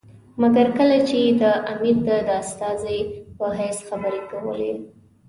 مګر کله چې یې د امیر د استازي په حیث خبرې کولې.